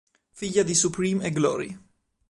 Figlia di Supreme e Glory.